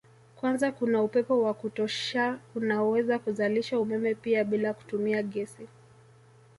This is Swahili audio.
kwanza kuna upepo wa kutosha unaoweza kuzalisha umeme pia bila kutumia gesi